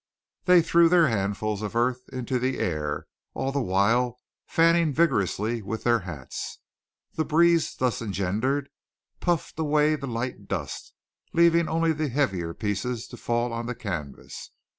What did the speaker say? They threw their handfuls of earth into the air, all the while fanning vigorously with their hats. The breeze thus engendered puffed away the light dust, leaving only the heavier pieces to fall on the canvas.